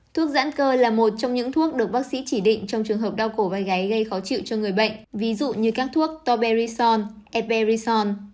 thuốc giảm cơ là một trong những thuốc được bác sĩ chỉ định trong trường hợp đau cổ vây gáy gây khó chịu cho người bệnh ví dụ như các thuốc torberison eperison